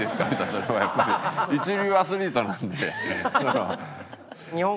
それはやっぱり一流アスリートなので。